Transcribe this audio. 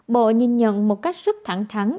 bộ nhìn nhận một cách rất thẳng thắn